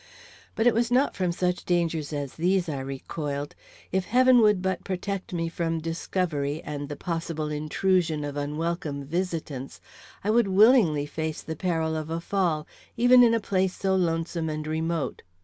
But it was not from such dangers as these I recoiled. If Heaven would but protect me from discovery and the possible intrusion of unwelcome visitants, I would willingly face the peril of a fall even in a place so lonesome and remote.